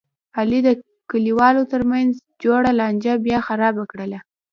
علي د کلیوالو ترمنځ جوړه لانجه بیا خرابه کړله.